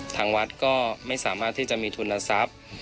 ทางวัดก็ไม่สามารถที่จะมีทุนทรัพย์